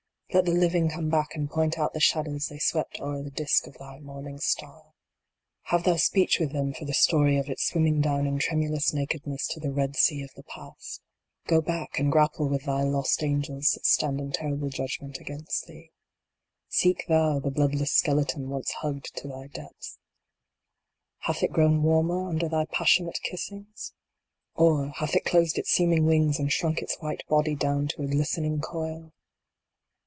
Let the Living come back and point out the shadows they swept o er the disk of thy morning star. Have thou speech with them for the story of its swim ming down in tremulous nakedness to the Red Sea of the Past. Go back and grapple with thy lost Angels that stand in terrible judgment against thee. Seek thou the bloodless skeleton once hugged to thy depths. Hath it grown warmer under thy passionate kissings ? Or, hath it closed its seeming wings and shrunk its white body down to a glistening coil